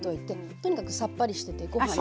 とにかくさっぱりしててご飯に。